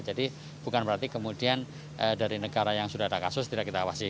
jadi bukan berarti kemudian dari negara yang sudah ada kasus tidak kita awasi